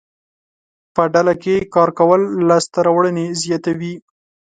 په ډله کې کار کول لاسته راوړنې زیاتوي.